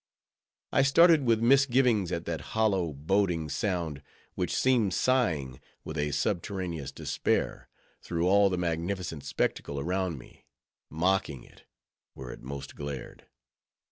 I started with misgivings at that hollow, boding sound, which seemed sighing with a subterraneous despair, through all the magnificent spectacle around me; mocking it, where most it glared.